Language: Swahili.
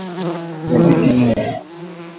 Dhibiti mbu